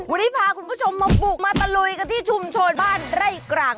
วันนี้พาคุณผู้ชมมาบุกมาตะลุยกันที่ชุมชนบ้านไร่กลาง